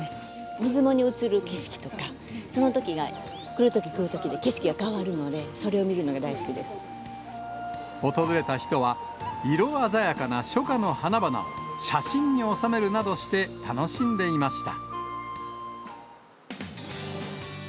みなもに映る景色とか、そのときが、来るとき来るときで景色が変わるので、それを見るの訪れた人は色鮮やかな初夏の花々を写真に収めるなどして楽しんでいました。